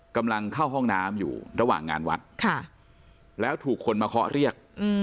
กำลังเข้าห้องน้ำอยู่ระหว่างงานวัดแล้วถูกคนมาเคาะเรียก